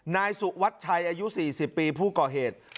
นายสุวัชชัยอายุ๔๐ปีผู้ก่อเหตุ